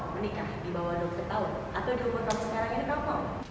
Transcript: kamu mau menikah di bawah dua puluh tahun atau di umur tahun sekarang ini kamu mau